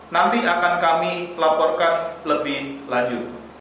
nanti akan kami laporkan lebih lanjut